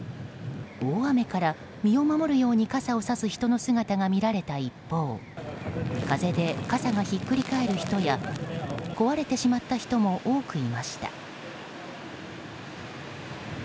大雨から身を守るように傘をさす人の姿が見られた一方風で傘がひっくり返る人や壊れてしまった人も多くいました。